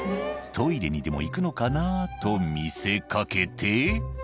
トイレにでも行くのかなと見せかけて。